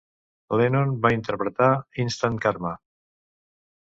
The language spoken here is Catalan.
Lennon va interpretar "Instant Karma!".